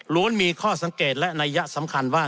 ล้วนมีข้อสังเกตและณัยสำคัญว่า